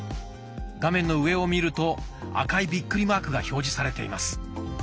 画面の上を見ると赤いビックリマークが表示されています。